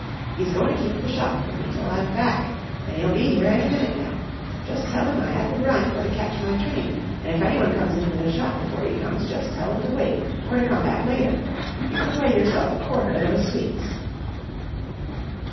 'E's goin' to keep the shop for me till I'm back an' 'e'll be 'ere any minute now. Jus' tell 'im I 'ad to run for to catch my train an' if anyone comes into the shop before 'e comes jus' tell 'em to wait or to come back later. You can weigh yourself a quarter o' those sweets."